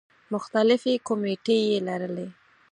مختلفې کومیټې یې لرلې.